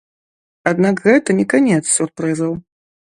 Аднак гэта не канец сюрпрызаў.